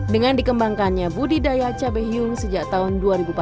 dengan dikembangkannya budidaya cabai hiung sejak tahun dua ribu empat belas